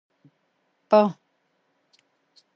په